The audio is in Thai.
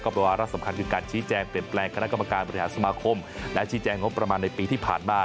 วาระสำคัญคือการชี้แจงเปลี่ยนแปลงคณะกรรมการบริหารสมาคมและชี้แจงงบประมาณในปีที่ผ่านมา